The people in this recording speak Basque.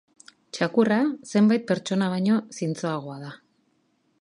Txakurra zenbait pertsona baino zintzoagoa da.